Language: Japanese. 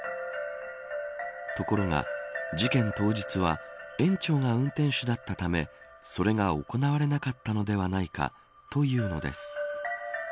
ところが、事件当日は園長が運転手だったためそれが行われなかったのではないかというのです。